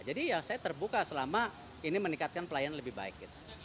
jadi ya saya terbuka selama ini meningkatkan pelayanan lebih baik